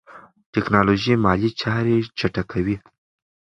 ټیکنالوژي مالي چارې چټکوي.